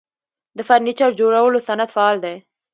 د فرنیچر جوړولو صنعت فعال دی